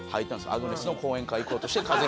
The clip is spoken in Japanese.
アグネスの講演会行こうとして風邪ひいた。